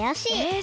え